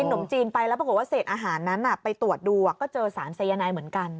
นมจีนไปแล้วปรากฏว่าเศษอาหารนั้นไปตรวจดูก็เจอสารสายนายเหมือนกัน